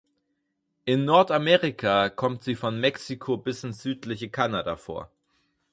In Nordamerika kommt sie von Mexiko bis ins südliche Kanada vor.